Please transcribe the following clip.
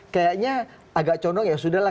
kayaknya agak condong ya sudah lah